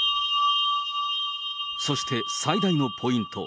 そして、最大のポイント。